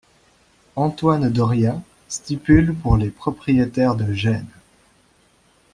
Antoine Doria stipule pour les propriétaires de Gênes.